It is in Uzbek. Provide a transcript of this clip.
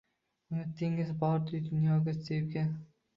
Unutdingiz, bordir dunyoda sevgi